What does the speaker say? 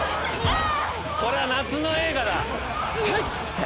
これは夏の映画だ。